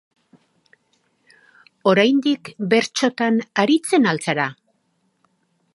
Oraindik bertsotan aritzen al zara?